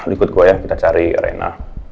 ikut gue ya kita cari rena